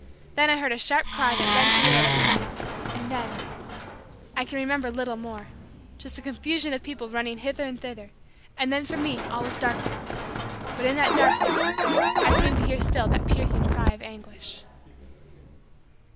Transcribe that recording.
Then I heard a sharp cry that rent the air like a knife, and then I can remember little more just a confusion of people running hither and thither, and then for me all was darkness, but in that darkness I seemed to hear still that piercing cry of anguish.